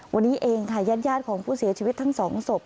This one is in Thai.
วันนี้เองค่ะญาติของผู้เสียชีวิตทั้งสองศพ